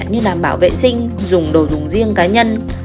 như đảm bảo vệ sinh dùng đồ dùng riêng cá nhân